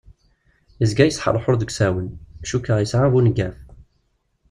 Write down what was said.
Yezga yesḥerḥur deg usawen, cukkeɣ yesɛa buneggaf.